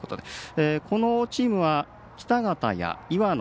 このチームは北方や岩野